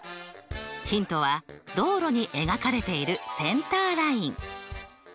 ヒントは道路に描かれているセンターライン。